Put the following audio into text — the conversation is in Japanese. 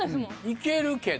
いけるけど。